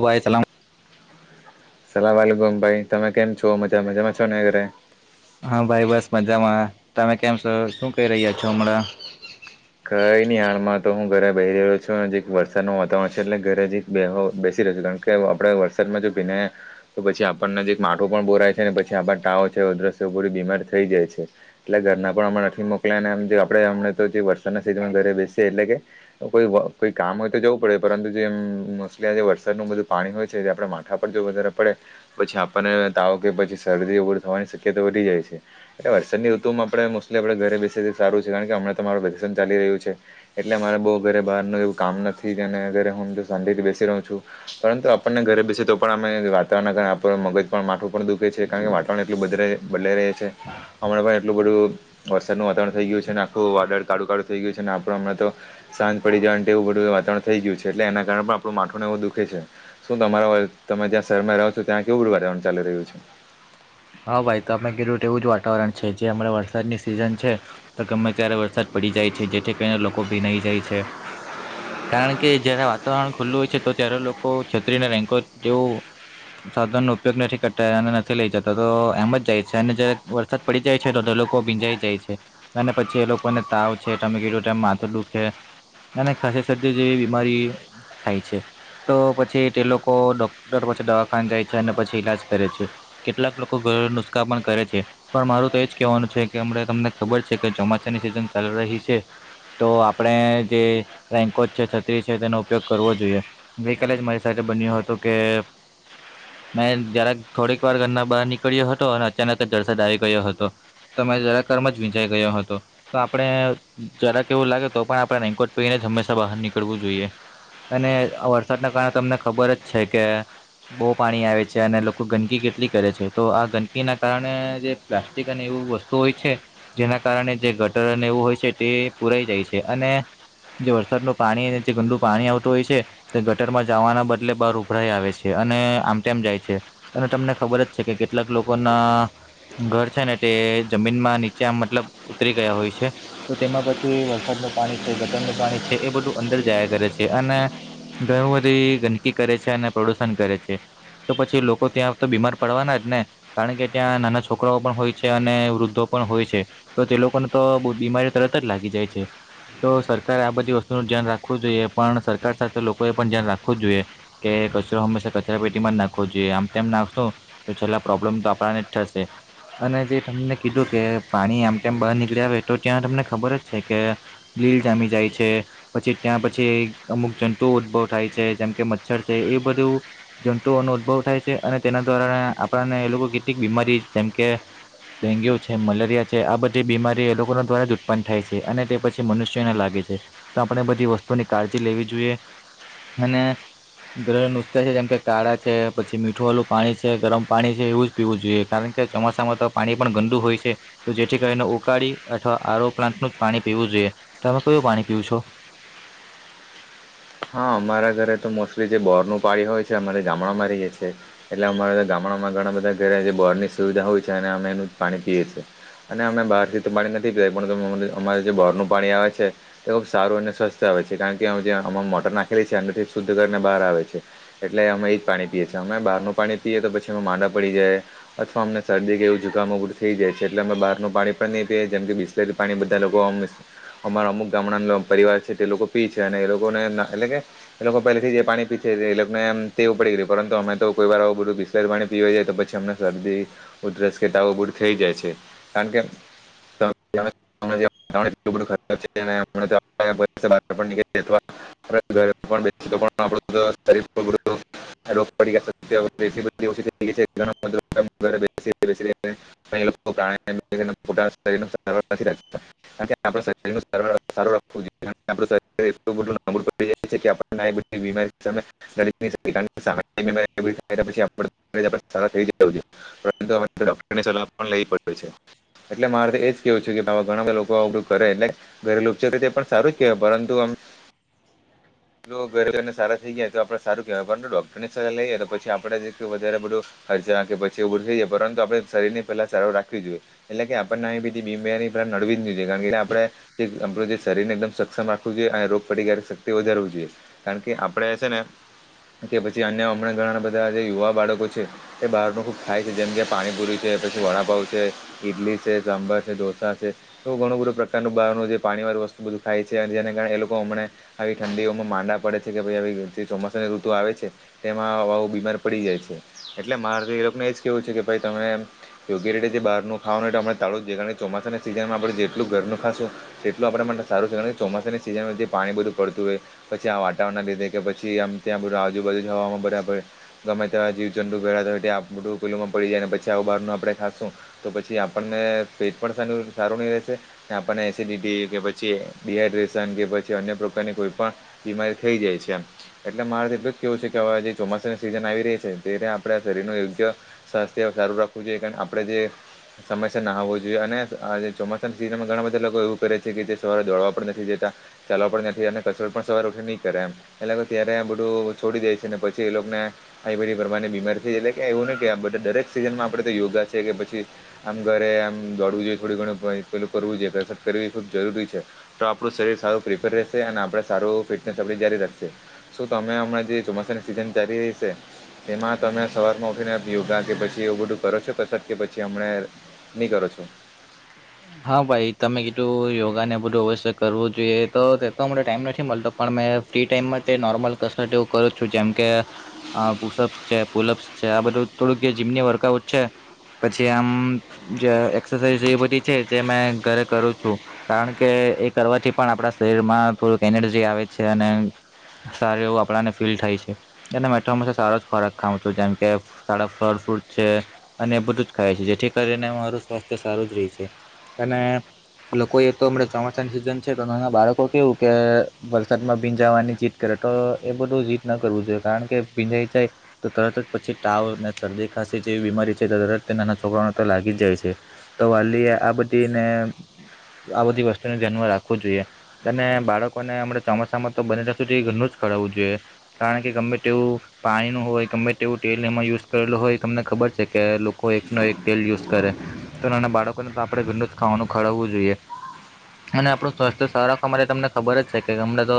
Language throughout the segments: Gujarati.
સલામ સલામવાલેકુમ ભાઈ તમે કેમ છો મજા મજામાં છો, ને ઘરે હા, ભાઈ બસ મજામાં તમે કેમ છો શું કઈ રહ્યા છો હમણા કઈ ની હાલમાં તો હુ ઘરે બેહી રેલો છુ, જીક વરસાદનુ વાતાવરણ છે, એટલે ઘરે જી બેહો બેસી રે છે, કારણ કે આપણે વરસાદમાં જો ભીનાયે તો પછી આપણને જે એક માટો પણ બોરાય છે ને પછી આપ તાવ છે અદ્રશ્ય પૂરી બીમાર થઈ જાય છે. એટલે ઘરના પણ હમણા નથી મોકલયા અને આપણે વરસાદના સિઝનમાં ઘરે બેસીએ એટલે કે તો કોઈ કોઈ કામ હોય તો જવું પડે પરંતુ જે મોસ્ટલી આજે વરસાદનું બધું પાણી હોય છે તે આપણે મા ઠાપડ જો વધારે પડે પછી આપણને તાવ કે પછી શરદી થવાની શક્યતા વધી જાય છે. એટલે વરસાદની ઋતુમાં આપણે મોસ્ટલી આપડે ઘરે બેસીએ તે સારું છે કારણ કે હમણાં તો મારું પ્રદર્શન ચાલી રહ્યું છે. એટલે મારે બો ઘરે બારનુ એવું કામ નથી કેને ઘરે હુ શાંતિથી બેસી રહુ છુ. પરંતુ આપણને ઘરે બેસે તો પણ અમે વાતાવરણના કારણે આપ મગજ પણ માથું પણ દુઃખે છે કારણ કે વાતાવરણ એટલું બધરે બદલાઈ રહે છે હમણાં પણ એટલું બધું વરસાદનું વાતાવરણ થઈ ગયુ છેને, આખું વાદળ કાળુ કાળુ થઈ ગયુ છેને, આતો હમણાં તો સાંજ પડી જાય અને તેવું બધું વાતાવરણ થેઈ ગયું છે એટલે એના કારણે પણ આપણું માથુને એવું દુખે છે. શુ તમારા તમે જ્યા શહેરમાં રહો છો, ત્યાં કેવું વાતાવરણ ચાલી રહ્યુ છે. હ, ભાઈ તમે કીધું તેવું જ વાતાવરણ છે જે હમણાં વરસાદની સિઝન છે. તો ગમે ત્યારે વરસાદ પડી જાય છે જેથી કરીને લોકો ભીનાઈ જાય છે. કારણ કે જયારે વાતાવરણ ખુલ્લું હોય છે તો ત્યારે લોકો છત્રીને રેન્કોટ જેવુ સાધનનો ઉપયોગ નથી કરતા અને નથી લઈ જ તો તો એમ જ જાય છે અને જ્યારે વરસાદ પડી જાય છે તો લોકો ભીંજાઈ જાય છે. અને પછી એ લોકોને તાવ છે તમે કીધું તેમ માથું દુખે અને ખાસી, શરદી જેવી બીમારી થાય છે. તો પછી તે લોકો ડોક્ટર પાછી દવાખાને જાય છે અને પછી ઈલાજ કરે છે. કેટલાક લોકો ઘળેલુ નુસ્ખા પણ કરે છે. પણ મારું તો એજ કેવાનું છે કે અમરે તમને ખબર છે કે ચોમાસાની સિઝન ચાલી રહી છે. તો આપણે જે રેન્કોટ છે, છત્રી છે તેનો ઉપયોગ કરવો જોઈએ. ગઈકાલે જ મારી સાથે બન્યું હતું કે, મેં જરાક થોડીક વાર ઘરના બાર નીકળ્યો હતો અને અચાનક જળસાદ આવી ગયો હતો. તો મે જરાક વારમાં જ ભીંજાઈ ગયો હતો. તો આપણે જરાક એવું લાગે તો પણ આપણે રેન્કોટ પેરીને જ હંમેશા બહાર નીકળવું જોઈએ. અને વરસાદના કારણે તમને ખબર જ છે કે બો પાણી આવે છે અને લોકો ગંદકી કે લી કરે છે તો આ ગંદકીના કારણે જે પ્લાસ્ટિક અને એવું વસ્તુ હોય છે. જેના કારણે જે ગટર અને એવું હોય છે તે પુરાઈ જાય છે અને જે વરસાદ ન પાણી જે ગંદુ પાણી આવતું હોય છે. ગટર માં જવાના બદલે બહાર ઉભરાઈ આવે છે અને આમતેમ જાય છે, અને તમને ખબર જ છે કે કેટલાક લોકોના ઘર છે ને તે જમીન માં નીચેમ મતલબ ઉતરી ગયા હોય છે. તો તેમાં પછી વરસાદનું પાણી છે ગટરનું પાણી છે એ બધું અંદર જાયા કરે છે અને ઘણી બધી ગંદકી કરે છે અને પ્રદુષણ કરે છે, તો પછી લોકો ત્યાં તો બીમાર પડવાના જ ને કારણ કે ત્યાં નાના છોકરાઓ પણ હોય છે અને વૃદ્ધો પણ હોય છે. તો તે લોકોને તો બ બીમારીઓ તરત જ લાગી જાય છે. તો સરકારારે આ બધી વસ્તુનું ધ્યાન રાખવું જોઈએ પણ સરકાર સાથે લોકોએ પણ ધ્યાન રાખવું જ જોઈએ. કે કચરો હંમેા કચરા પેટી માં જ નાખવો જોઈએ આમ તેમ નાખ શું તો છેલા પ્રોબ્લેમ તો આપણાને જ થશે. અને જે તમને કીધું કે પાણી આમ ટાઈમ બહાર નીકળ્યા આવે તો ત્યાં તમને ખબર જ છે કે લીલ જામી જાય છે. પછી ત્યાં પછી અમુક જંતુઓ ઉદ્ભવ થાય છે જેમ કે મચ્છર છે એ બધું જંતુઓનો ઉદભવ થાય છે અને તેના દ્વારાણે આપણને એ લોકો કેટલીક બીમારી જેમ કે ડેન્ગ્યુ છે મલેરિયા છે આ બધી બીમારી એ લોકો દ્વારા જ ઉત્પન્ન થાય છે અને તે પછી મનુષ્યોને લાગે છે. તો આપણે બધી વસ્તુની કાળજી લેવી જોઈએ. અને ગ્રહ નુસ્ખા છે જેમ કે કાળા છે પછી મીઠું વાળું પાણી છે ગરમ પાણી છે એવું જ પીવું જોઈએ કારણ કે ચોમાસામાં તો પાણી પણ ગંદુ હોય છે. તો જેથી કરીને ઉકાળી અથવા આરો પ્લાન્ટનું જ પાણી પીવું જોઈએ, તમે કયું પાણી પીવ છો? હા અમારા ઘરે તો મોસ્ટલી જે બોરનું પાડી હોય છે અમારે ગામણામાં રહીએ છેએ. એટલે અમારા ગામડામાં ઘણા બધા ઘરે જે બોર ની સુવિધા હોય છે અને અમે એનું જ પાણી પીએ છીએ. અને અમે બહાર થી તો પાણી નથી પીય પણ અમારે જે બહારનું પાણી આવે છે. તે ખુબ સારું અને સ્વસ્થ આવે છે કારણ કે જે મોટર નાખેલી છે એથી શુદ્ધ કરીને બહાર આવે છે. એટલે અમે એ જ પાણી પીએ છીએ અમે બહારનું પાણી પીએ તો પછી માંડા પડી જાય. અથવા અમને શરદી કે એવું જુકામ થઈ જાય છે એટલે અમે બહારનું પાણી પણ નહીં પીએ જેમ એટલે કે પાણી બધા લોકો અ અમારા અમુક ગામડા પરિવાર છે તે લોકો પી છે અને એ લોકોને એટલે કે એ લોકો પેલેથી જે પાણી પીસે એ લોકો નેમ તેવું પડી ગયું પરંતુ અમે તો કોઈ વાર આવું બધું પીસ ર પાણી પીવા જાય તો પછી અમને શરદી, ઉધરસ કેતાાવ બૂર થઈ જાય છે કારણ કે ત [unintelligible] વારણું ખબ છેાર [unintelligible] આપુંરી [unintelligible] રોગ પડી ઓછી થ [unintelligible] એ લોકો પો શરીર સ નથી રાખતા [unintelligible] કારણ કે આપણા શરીર ન સારું રાખવું જોઈએ આપું શરીર એટલું બધું પડી જાય છે કે આપણને એ બધી બીમારી સામે રે [unintelligible] પરંતુ અમે તો ડોક્ટરની સલાહ પણ લઈ પડ્યો છે. એટલે મારે તો એજ કેવું છે કે બાા ઘણા બધા લોકો આ ઉપધું કરે એટલે ઘરેલુ ઉપચાર રીતે પણ સારું જ કહેવાય, પરંતુ જો ઘરે ઘર સારા થઈ ગયા તો, આપડે સારું કહેવાય, પરંતુ ડોક્ટરને સારા લઈએ તો, પછી આપડે વધારે બધું ખર્ચા કે પછી એ થઈ જાય, પરંતુ આપણે શરીર ને પેલા સારવ રાખવી જોઈએ. એટલે કે આપણને બધી બીબની નડવી જ ન જોઈ, કારણ કે આપણે. આપણું જે શરીરને એકદમ સક્ષમ રાખવું જોઈએ, અને રોગ પ્રતિકારક શક્તિ વધારવી જોઈએ. કારણ કે આપડે છે ને, કે પછી અન્ય હમણાં ઘણા બધા જે યુવા બાળકો છે. એ બહાર નુ ખુબ થાય છે, જેમ કે પાણીપુરી છે, પછી વડાપાવ છે. ઇડલી છે, સાંભર છે, ડોસા છે. તો ઘણું બધું પ્રકારનું બહારનું જે પાણી વાળું વસ્તુ બધું ખાય છે, અને જેને કારણે એ લોકો હમણાં આવી ઠંડી. માંડા પડે છે, કે ભ જે ચોમાસાની ઋતુ આવે છે, તેમાં બીમાર પડી જાય છે. એટલે મારે તો એ લોકોને એજ કેવું છે, કે ભાઈ તમને. યોગ્ય રીતે જે બહારનું ખવાનું એટલે આપણે તાળું જે કાર કે ચોમાસાના સિઝનમાં આપણે જેટલું ઘરનું ખાશું. એટલું આપણે માટે સારું છે, કારણ કે ચોમાસાની સીઝનમાંથી પાણી બધું પડતું હોય. પછી આ વાતાવરણના લીધે કે, પછી આમ ત્યાં આજુબાજુ જ હવામાં ભર્યા પડે. ગમે તેવા જીવ જંડુ ભેળતા હોય એ, આપ બધું કલોમાં પડી જાય ને, પછી આવું બહારનું આપણે ખાશું. તો પછી આપણને પેટ પણ સારું નહી રહેશે. આપણને એસડિટી કે, પછી ડડીહાઈડ્રેશન કે, પછી અન્ય પ્રકારની કોઈપણ બીમારી થઇ જાય છે, એમ. એટલે મારે એટલું જ કેવું છે કે, હવે જે ચોમાસાની સિઝન આવી રહી છે, તેને આપડે શરીર નું યોગ્ય સ્વાસ્થ્ય સારું રાખવું જોઈએ, કાર આપણે જે. સમસ્યા ના હોવી જોઈએ, અને આ ચોમાસાની સિઝનમાં ઘણા બધા લોકો એવું કરે છે, કે જે સવારે દોડવા પણ નથી જતા. ચાલવા પણ નથી, અને કચોડ પણ. સવાર ઉઠી નહીં કરે, એમ એટલે ત્યારે બધું છોડી દે છે ને, પછી એ લોકોને. આ બધી ભરવાની બીમારી છે, એટલે કે એવું ને કે, આ બધા દરેક સિઝનમાં આપે તો યોગા છે કે પછી. આમ ઘરે આમ દોડવું જોઈએ, થોડી ઘણું પેલું કરવું જોઈએ કરવી એ ખુબ જરૂરી છે. તો આપણું શરીર સારું પ્રિફર રહેશે, અને આપડે સારું ફિટનેસ આપ જારી રાખશે શું તો, અમે હમણાં જે ચોમાસાની સિઝન ચાલી રહી છે. તેમાં તમે સવારમાં ઉઠીને યોગા કે પછી એવું બધું કરો છો પછી કે, પછી હમણા. નહી કરો છો. હમ. હા, ભાઈ તમે કીધું યોગા ને બધું અવશ્ય કરવું જોઈએ, તો તે તો મને ટાઈમ નથી મળતો. પણ મેં ફ્રી ટાઈમમાં તે નોર્મલ કસર એવું કરું છું, જેમ કે. બુસઅપ છે, પુલપ્સ છે, આ બધું થોડુંક જીમની વર્કઆઉટ છે. પછી આમ જે એક્રસાઝ એ બધી છે, જે ઘરે કરું છું. કારણ કે એ કરવાથી પણ આપણા શરીર માં થોડક એનર્જી આવે છે અને સારું એવું આપણાને ફીલ થાય છે. એ મે હંમેશા સારો જ ખોરાક ખાઉં છું, જેમ કે સારા ફળ ફ્રૂટ છે. અને બધું જ ખાય છે, જેથી કરીને મારું સ્વાસ્થ્ય સારું જ રહે છે અને લોકો એ તો હમણાં ચોમાસાની સિઝન છે, તો એના બાળકો કેવું કે વરસાદમાં ભીંજાવાની જીત કરે તો, એ બધું જીત ન કરવું જોઈએ, કારણ કે ભીંજાઈ જાય. તો તરત જ પછી તાવ અને શરદી ખાંસી જેવી બીમારી છે, તરત તે નાના છોકરાઓને તો લાગી જાય છે. તો વાલી આ બધી ને, આ બધી વસ્તુને ધ્યાનમાં રાખવું જોઈએ. અને બાળકોને હમણા ચોમાસામાં તો બને ને, સુધી ઘરનું જ કરવું જોઈએ. કારણ કે, ગમે તેવું પાણી નું હોય, કેમ ઈ તેવું તેલ એમાં યુઝ કરેલું હોય, તમને ખબર છે કે લોકો એકનો એક તેલ યુઝ કરે. તો નાના બાળકોને તો આપડે ઘરનું જ ખાવાનું, ખરવવું જોઈએ. અને આપણું સ્વાસ્થ્ય સારખમારે તમને ખબર જ છે કે, હમણાં તો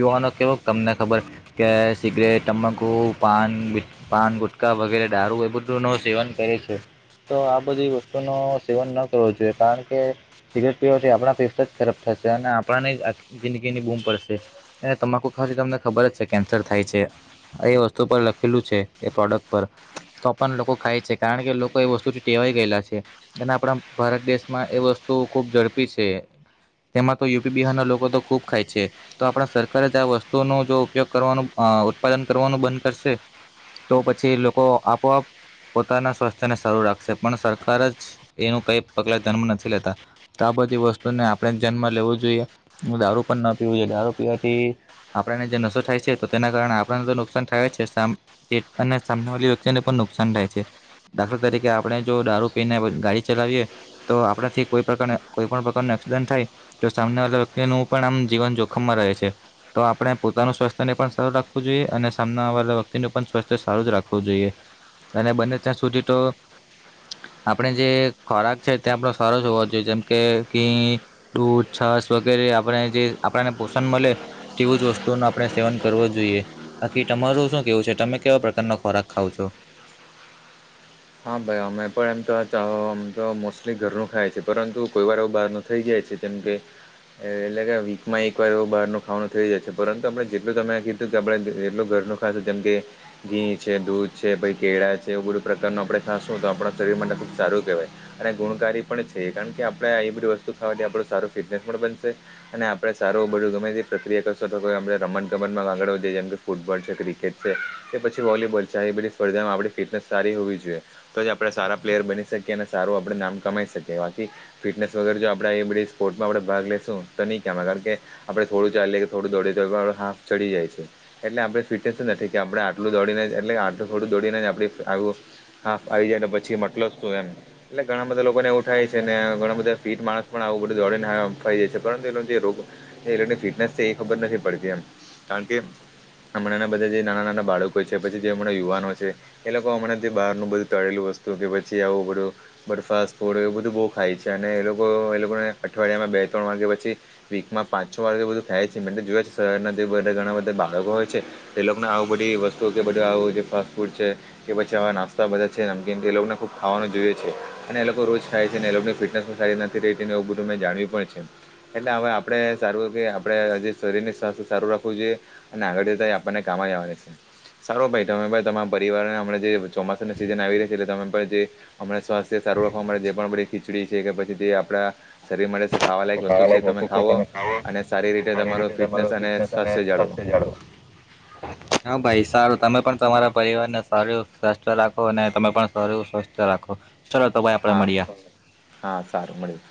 યુવાનો કેવો તમને ખબર. કે સિગરેટ તમાબકુ પાન બ. પાન ગુટકા વગેરે, દારૂ એ બધું ન સેવન કરે છે, તો આ બધી વસ્તુ નુ સેવન ન કરવું જોઈએ, કારણ કે. સિગરેટ પીવાથી આપણા ફેફ જ ખરાબ થશે અને આપણાને જિંદગીની બૂમ પડશે. એ તમાકુ ખાવા તમને ખબર જ છે કેન્સર થાય છે. એ વસ્તુ પર લખેલું છે એ પ્રોડક્ટ પર. તો પણ લોકો ખાય છે કારણ કે લોકો એ વસ્તુથી ટેવાઈ ગયેલા છે. અને આપણા ભારત દેશમાં એ વસ્તુ ખુબ ઝડપી છે. તેમાં તો યુપી બિહારના લોકો તો ખૂબ ખાય છે. તો આપણા સરકાર જ આ વસ્તુઓ નો જો ઉપયોગ કરવાનું ઉત્પાદન કરવાનું બંધ કરશે. તો પછી લોકો આપોઆપ પોતાના સ્વાસ્થ્ય ને સારું રાખશે પણ સરકાર જ એનું કઈ પગલા જન્મ નથી લેતા. તો આ બધી વસ્તુને આપણે જ ધ્યાનમ લેવું જોઈએ હું દારૂ પણ ના પીવું જોઈએ દારૂ પીવાથી આપણેને જે નશો થાય છે તો તેના કારણે આપણને તો નુકસાન થાય જ છે [unintelligible] તે અને [unintelligible] વ્યક્તિને પણ નુકસાન થાય છે દાખલ તરીકે આપણે જો દારૂ પીને ગાડી ચલાવીએ તો આપણાથી કોઈ પ્રકાર કોઈ પણ પ્રકાર ન એક્સિડન્ટ થાય તો સામને વાળા વ્યક્તિનું પણ આમ જીવન જોખમમાં રહે છે. તો આપણે પોતાનું સ્વાસ્થ્યને પણ સારું રાખવું જોઈએ અને સામના આવલા વ્યક્તિનું પણ સ્વાસ્થ્ય સારું જ રાખવું જોઈએ. અને બને ત્યાં સુધી તો આપણે જે ખોરાક છે જે આપડો સરસ હોવો જોઈએ જેમ કે [unintelligible] દૂધ છસ વગેરે આપણે જે આપણને પોષણ મળે તેવું જ વસ્તુઓ નો આપણે સેવન કરવો જોઈએ. બાકી તમારું શું કેવું છે તમે કેવા પ્રકારનો ખોરાક ખાવો છો. હા ભાઈ અમે પણ એમ તો આમ તો મોસ્ટલી ઘરનું ખાય છે પરંતુ કોઈ વાર એવું બહાર નું થઈ જાય છે. જેમ કે એટલે કે વીકમાં એકવાર એવું બહારનું ખાવાનું થઈ જાય છે પરંતુ આપણે જેટલું તમે કીધું કે આપણે જેટલું ઘરનું જેમ કે ઘી છે દૂધ છે પહિ કેળા છે એ બધું નું આપણે ખાસશું તો આપણા શરીર માટે ખૂબ સારું કહેવાય. અને ગુણકારી પણ છે. કારણ કે આપણેે એ બધી વસ્તુ ખાવાથી આપણું સારું ફિટનેસ પણ બનશે. અને આપણે સારું બધું ગમે તે પ્રક્રિયા કરશો તો આપ આપણે રમત ગમત માં પણ આગળ વધીએ [unintelligible] ફૂટબોલ છે ક્રિકેટ છે કે પછી વોલીબોલ છે આ બધી સ્પર્ધામાં આપણી ફિટનેસ સારી હોવી જો છે તો જ આપડે સારા પ્લેયર બની શકીએ ને સારું આપણે નામ કમાઈ શકીએ બાકી ફિટનેસ વગર જો આપણે એ બધી સ્પોર્ટમાં આપણે ભાગ લઈેશું તો નહીં [unintelligible] કારણ કે આપડે થોડું ચાલીએ કે થોડું દોડએ તો આપ હાંફ ચડી જાય છે. એટલે આપણે ફિટનેસ નથી કે આપડે આટલું દોડીને એટલે આટલું થોડું દોડીને આપણી આવું હાફ આવી જાય ને પછી મતલો શું એમ. એટલે ઘણા બધા લોકોને એવું થાય છે ને ઘણા બધા ફીટ માણસ પણ આવું બધું દોડીને ફાઈ જાય છે પરંતુ એનો જે રોગ એ લોકોની ફિટનેસ છે એ ખબર નથી પડતી એમ કારણ કે હમણાંના બધા જે નાના નાના બાળકો છે પછી જે હમણાં યુવાનો છે એ લોકો હમણાં તે બહારનું બધું તળેલું વસ્તુ કે પછી આવવું બધું બરફાસ ફૂડ એવું બધું બહુ ખાય છે અને એ લોકો એ લોકોને અઠવાડિયામાં બે ત્રણ વાગ્યા પછી વીકમાં પાંચ છ વાગે બધું થાય છે જોર જે બધા ઘણા બધા બાળકો હોય છે. એ લોકોને આવું બધી વસ્તુ કે બધું આવું જે ફાસ્ટ ફૂડ છે. ચવા નાસ્તા બધા છે નમકીનમ એ લોકોને ખૂબા ખાવાનું જોઈએ છે અને એ લોકો રોજ ખાય છે અને એ લોકોની ફિટનેસ પણ સારી ના [unintelligible] ને એવું બધું મે જાણવી પણ છે. એટલે હવે આપણે સારું કે આપડે જે શરીરની સ્વાસ્થ્ય સારું રાખવું જોઈએ. અને આગળ જતા આપણને કામ જ આવવાનું છે સારો ભાઈ તમે તમારા પરિવારને હમણાં જે ચોમાસાના સિઝન આવી રહી છે એટલે તમે પણ જે હમણા સ્વાસ્થ્ય સારું રાખવા માટે જે પણ બધી ખીચડી છે કે પછી તે આપણા શરીર માટે ખાવાલાયક વસ્તુ છે તમે ખાવો અને સારી રીતે તમારું ફિટનેસ અને સ્વાસ્થ્ય જાળવો. [inaudible] હા ભાઈ સારું તમે પણ તમારા પરિવારને સર સ્વસ્થ રાખો અને તમે પણ સરીર સ્વસ્થ રાખો. ચાલો તો ભાઈ આપડે હા મળીયા. હા સારું મળ્યું.